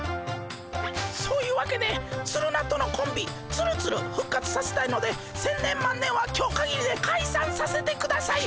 そういうわけでツルナとのコンビツルツル復活させたいので千年万年は今日かぎりでかいさんさせてください。